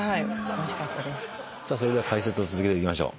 では解説を続けていきましょう。